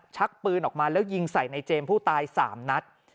ชักปืนออกมาแล้วยิงใส่ในเจมส์ผู้ตาย๓นัด